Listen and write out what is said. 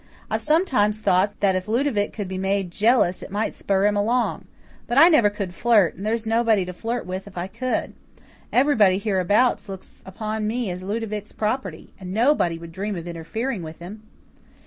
I've sometimes thought that if Ludovic could be made jealous it might spur him along. But I never could flirt and there's nobody to flirt with if I could. Everybody hereabouts looks upon me as Ludovic's property and nobody would dream of interfering with him."